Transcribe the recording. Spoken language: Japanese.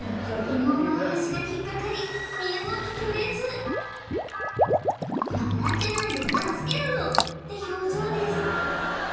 前脚が引っかかり身動き取れず「笑ってないで助けろよ」って表情です